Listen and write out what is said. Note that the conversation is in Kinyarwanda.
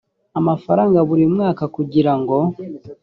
frw buri mwaka kugirango